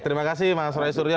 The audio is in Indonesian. terima kasih mas rory surya